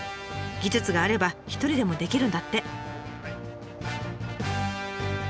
技術があれば一人でもできるんだって。